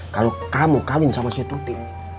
kalau kamu kawin sama saya tuti